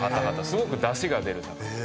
すごくだしが出る魚。